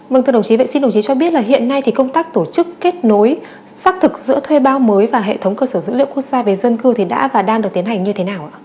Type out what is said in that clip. vâng thưa đồng chí vậy xin đồng chí cho biết là hiện nay thì công tác tổ chức kết nối xác thực giữa thuê bao mới và hệ thống cơ sở dữ liệu quốc gia về dân cư thì đã và đang được tiến hành như thế nào ạ